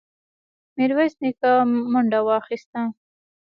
ميرويس نيکه منډه واخيسته.